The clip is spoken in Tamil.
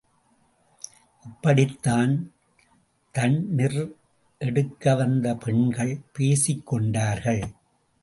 இப்படித்தான் தண்ணிர் எடுக்க வந்த பெண்கள் பேசிக் கொண்டார்கள்.